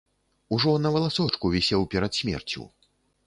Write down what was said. Ужо на валасочку вісеў перад смерцю.